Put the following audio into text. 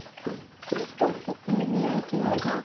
まあそこはもう見合いというか。